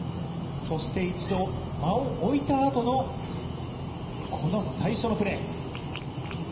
そして一度間を置いたあとのこの最初のプレー。